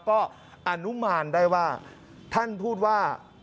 ก็อนุมานได้ว่าท่านพูดว่า